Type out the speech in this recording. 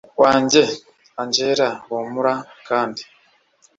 wanjye angella humura kandi